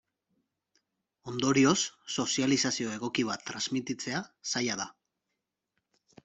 Ondorioz, sozializazio egoki bat transmititzea zaila da.